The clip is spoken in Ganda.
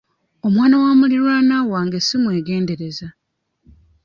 Omwana wa muliraanwa wange simwegendereza.